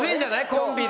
コンビで。